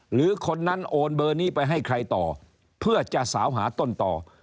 หรือคนนั้นโอนเบอร์นี้ไปให้ใครต่อเพื่อจะสาวหาต้นต่อ